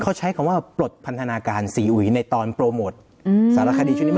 เขาใช้คำว่าปลดพันธนาการซีอุ๋ยในตอนโปรโมทสารคดีชุดนี้มัน